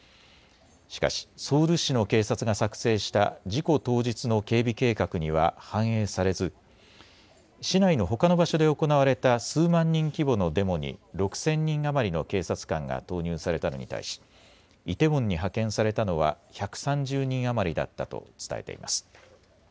しかしソウル市の警察が作成した事故当日の警備計画には反映されず、市内のほかの場所で行われた数万人規模のデモに６０００人余りの警察官が投入されたのに対しイテウォンに派遣されたのは１３０人余りだったと伝えています。